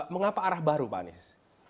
mengapa arah baru pak anies